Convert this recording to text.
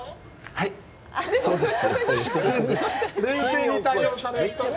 はい、そうです。